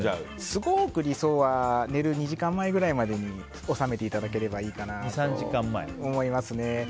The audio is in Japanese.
すごく理想は寝る２時間前ぐらいまでに収めていただければいいかなと思いますね。